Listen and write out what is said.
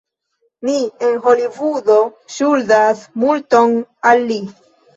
Ni en Holivudo ŝuldas multon al li.